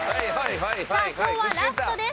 さあ昭和ラストです。